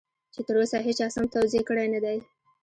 چې تر اوسه هېچا سم توضيح کړی نه دی.